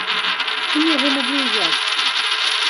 Чым яго маглі ўзяць?